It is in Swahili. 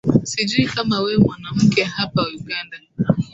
sijui kama we mwanamke hapa uganda